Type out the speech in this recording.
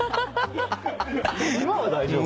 今は大丈夫。